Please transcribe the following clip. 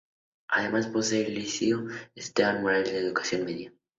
Además, posee el liceo Esteban Morales de educación media.